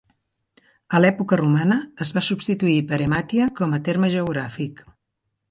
A l'època romana es va substituir per Emàtia com a terme geogràfic.